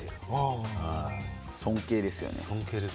尊敬ですよね。